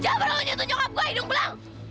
jangan berlalu nyentuh nyokap gue hidung belang